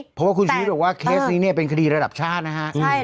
เพราะว่าคุณชุวิตบอกว่าเคสนี้เนี่ยเป็นคดีระดับชาตินะฮะ